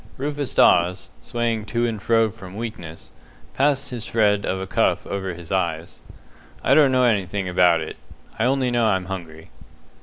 Rufus Dawes, swaying to and fro from weakness, passed his shred of a cuff over his eyes. "I don't know anything about it. I only know I'm hungry."